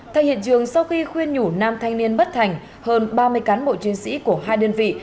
thay hiện trường sau khi khuyên nhủ nam thanh niên bất thành hơn ba mươi cán bộ chiến sĩ của hai đơn vị